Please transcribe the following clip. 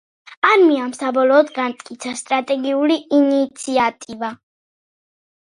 არმიამ საბოლოოდ განამტკიცა სტრატეგიული ინიციატივა.